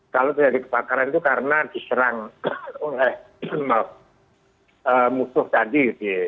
kalau terjadi kebakaran itu karena diserang oleh musuh tadi